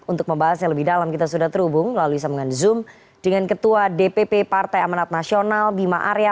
untuk membahasnya lebih dalam kita sudah terhubung melalui sambungan zoom dengan ketua dpp partai amanat nasional bima arya